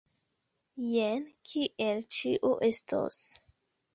Jen kiel ĉio estos.